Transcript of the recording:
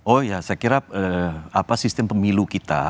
oh ya saya kira sistem pemilu kita